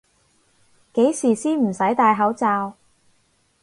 幾時先唔使戴口罩？